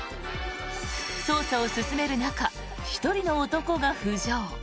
捜査を進める中１人の男が浮上。